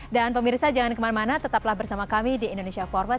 dan pemirsa jangan kemana mana tetaplah bersama kami di indonesia forward